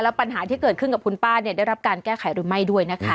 ปัญหาที่เกิดขึ้นกับคุณป้าได้รับการแก้ไขหรือไม่ด้วยนะคะ